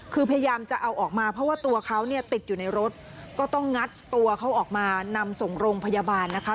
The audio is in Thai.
คือพยายามจะเอาออกมาเพราะว่าตัวเขาเนี่ยติดอยู่ในรถก็ต้องงัดตัวเขาออกมานำส่งโรงพยาบาลนะคะ